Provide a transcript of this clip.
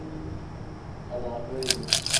Ama haklıydın.